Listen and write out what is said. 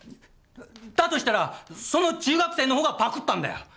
だとしたらその中学生のほうがパクったんだよ！